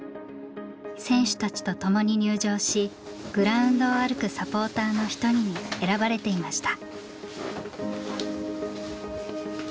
選手たちと共に入場しグラウンドを歩くサポーターのひとりに選ばれていました。